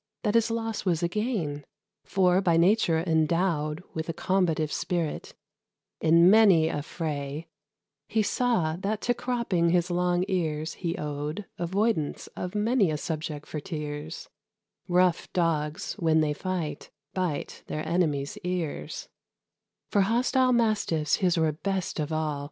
That his loss was a gain, for, by nature endowed With a combative spirit, in many a fray He saw that to cropping his long ears he owed Avoidance of many a subject for tears, Rough dogs, when they fight, bite their enemies' ears: For hostile mastiffs his were best of all.